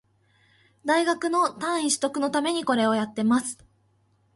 大学の単位取得のためにこれをやってます